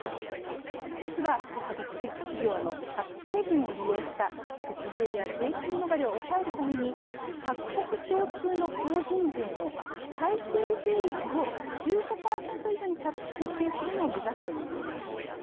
一つは多国籍企業のタックスヘイブンを利用した節税や税金逃れを抑えるために各国共通の法人税の最低税率を１５％以上に設定するのを目指すということです。